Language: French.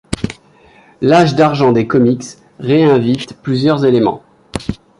L'Âge d'Argent des comics réinvite plusieurs éléments.